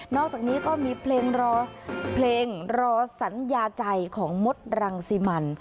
นอกจากนี้ก็มีเพลงรอสัญญาใจของมธรังซีมัน